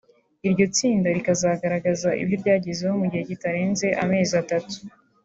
iryo tsinda rikazagaragaza ibyo ryagezeho mu gihe kitarenze amezi atatu